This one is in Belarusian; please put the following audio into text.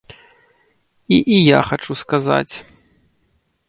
І і я хачу сказаць.